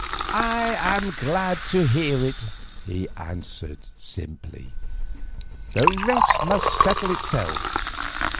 "I am glad to hear it," he answered simply, "the rest must settle itself.